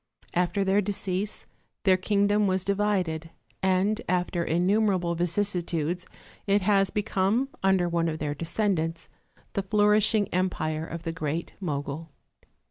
After their decease their Kingdom was di vided, and after innumerable vicissitudes it has become, under one of their descendants, the flourishing empire of the great Mogul.